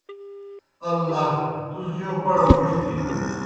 اَلّا تُس جوْ بڑہ موڙیْ تِھینوئے۔